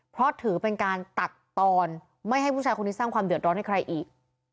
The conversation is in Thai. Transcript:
เพราะถือเป็นการตัดตอนไม่ให้ผู้ชายคนนี้สร้างความเดือดร้อนให้ใครอีก